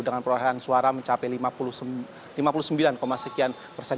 dengan perolehan suara mencapai lima puluh sembilan sekian persen